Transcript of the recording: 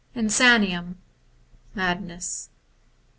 Insaniem Madness.